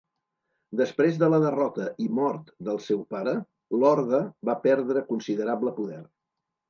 Després de la derrota i mort del seu pare l'Horda va perdre considerable poder.